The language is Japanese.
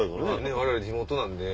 我々地元なんで。